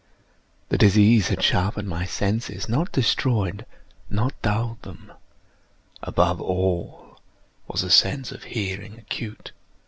The disease had sharpened my senses—not destroyed—not dulled them. Above all was the sense of hearing acute.